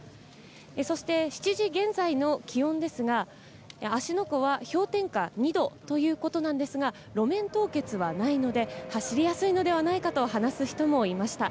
そして７時現在の気温ですが、芦ノ湖は氷点下２度ということなんですが、路面凍結はないので走りやすいのではないかと話す人もいました。